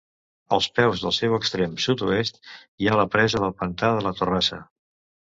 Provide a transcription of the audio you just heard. Als peus del seu extrem sud-oest hi ha la presa del Pantà de la Torrassa.